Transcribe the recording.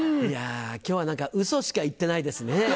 いや今日は何かウソしか言ってないですね。